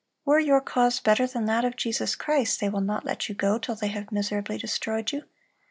Were your cause better than that of Jesus Christ, they will not let you go till they have miserably destroyed you.